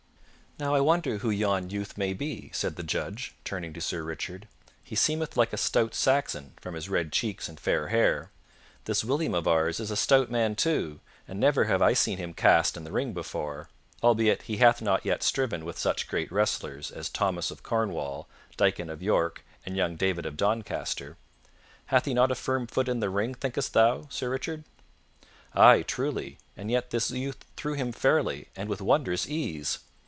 "Now, I wonder who yon youth may be," said the judge, turning to Sir Richard, "he seemeth like a stout Saxon from his red cheeks and fair hair. This William of ours is a stout man, too, and never have I seen him cast in the ring before, albeit he hath not yet striven with such great wrestlers as Thomas of Cornwall, Diccon of York, and young David of Doncaster. Hath he not a firm foot in the ring, thinkest thou, Sir Richard?" "Ay, truly, and yet this youth threw him fairly, and with wondrous ease.